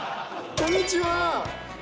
こんにちは。